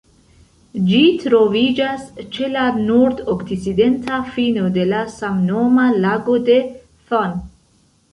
Ĝi troviĝas ĉe la nord-okcidenta fino de la samnoma Lago de Thun.